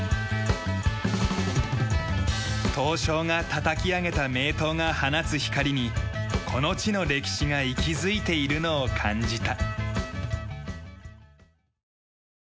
刀匠がたたき上げた名刀が放つ光にこの地の歴史が息づいているのを感じた。